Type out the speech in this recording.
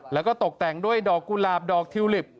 แล้วก็ตกแต่งด้วยดอกกุหลาบดอกทิวลิป